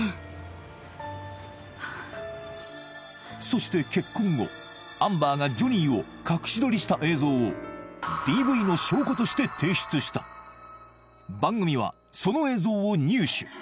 そして結婚後アンバーがジョニーを隠し撮りした映像をＤＶの証拠として提出した番組はその映像を入手